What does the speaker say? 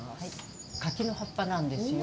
柿の葉っぱなんですよ。